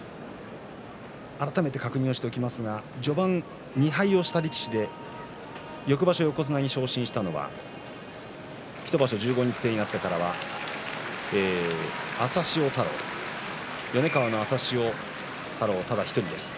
改めて確認しますが序盤、２敗した力士で翌場所、横綱に昇進したのは１場所１５日制になってからは朝潮太郎、米川の朝潮ただ１人ですね